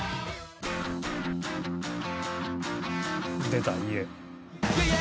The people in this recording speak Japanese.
「出た『家』」